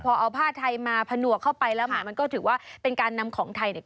พอเอาผ้าไทยมาผนวกเข้าไปแล้วแหมมันก็ถือว่าเป็นการนำของไทยเนี่ย